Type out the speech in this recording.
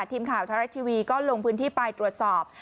ทีมข่าวท้าแรกทีวีก็ลงพื้นที่ปลายตรวจสอบ